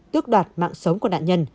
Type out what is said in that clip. tước đoạt mạng sống của nạn nhân